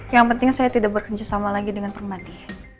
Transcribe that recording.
yang penting saya tidak berkerjasama lagi dengan permadi